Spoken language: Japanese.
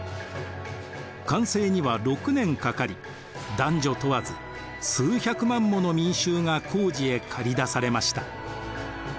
完成には６年かかり男女問わず数百万もの民衆が工事へかり出されました。